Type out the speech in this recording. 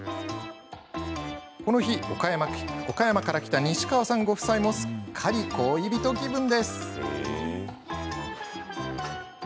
この日、岡山から来た西川さんご夫妻もすっかり恋人気分。